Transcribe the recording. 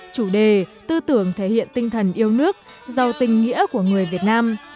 chủ đề tư tưởng thể hiện tinh thần yêu nước giàu tình nghĩa của người việt nam